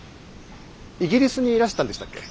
イギリスにいらしたんでしたっけ？